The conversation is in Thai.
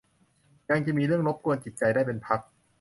ยังจะมีเรื่องรบกวนจิตใจได้เป็นพัก